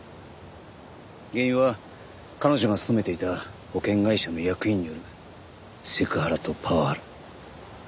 原因は彼女が勤めていた保険会社の役員によるセクハラとパワハラ。